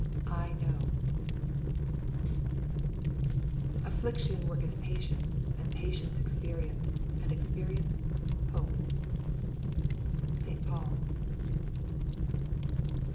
I. Kkowb. " Affliction woiketh patience: and patience, ezperienoe; and experience, hope.'* St. Paul.